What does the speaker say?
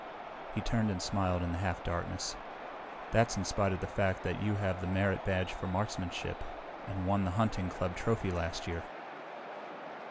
He turned and smiled in the half darkness. "That's in spite of the fact that you have the merit badge for marksmanship and won the hunting club trophy last year."